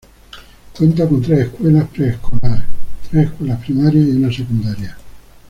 Cuenta con tres escuelas preescolar, tres escuelas primaria, y una secundaria.